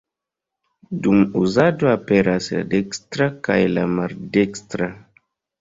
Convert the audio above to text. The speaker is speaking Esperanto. Dum uzado aperas la dekstra kaj la maldekstra.